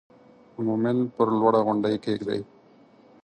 مومن پر لوړه غونډۍ کېږدئ.